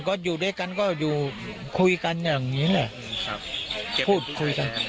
พอทำได้กันก็คุยกันแบบนี้ค่ะ